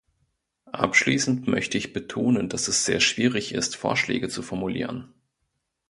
Abschließend möchte ich betonen, dass es sehr schwierig ist, Vorschläge zu formulieren.